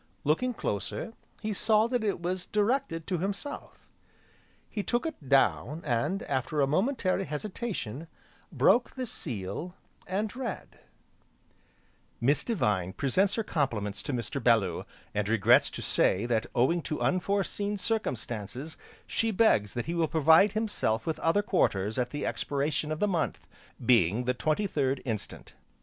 Looking closer, he saw that it was directed to himself. He took it down, and, after a momentary hesitation, broke the seal, and read: Miss Devine presents her compliments to Mr. Bellew, and regrets to say that owing to unforeseen circumstances, she begs that he will provide himself with other quarters at the expiration of the month, being the Twenty third inst.